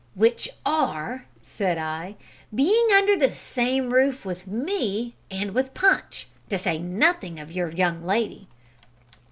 "Which are," said I, "being under the same roof with me and with Punch, to say nothing of your young lady!"